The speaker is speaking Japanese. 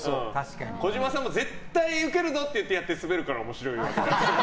児嶋さんも絶対ウケるぞってやってスベるから面白いわけで。